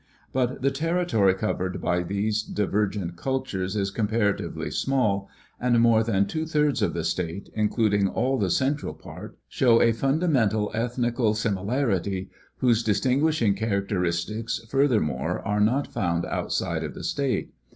But the territory covered by these divergent cultures is comparatively small, and more than two thirds of the state, including all the central part, show a fundamental ethnical similarity, whose distinguishing characteristics furthermore are not found outside of the state.